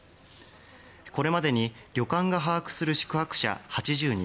これまでに旅館が把握する宿泊者８０人